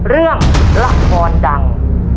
เรื่องหลักมอนดัง